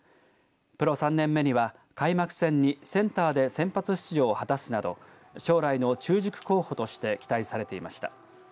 プロ３年目には開幕戦にセンターで先発出場を果たすなど将来の中軸候補として期待されていました。